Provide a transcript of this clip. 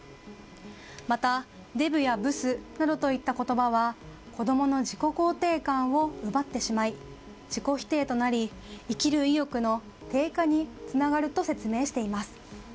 また、デブやブスなどといった言葉は子供の自己肯定感を奪ってしまい自己否定となり、生きる意欲の低下につながると説明しています。